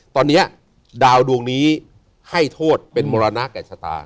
ตอนนี้ดาวดวงนี้ให้โทษเป็นมรณะแก่ชะตา